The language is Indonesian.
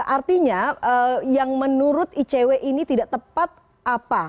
artinya yang menurut icw ini tidak tepat apa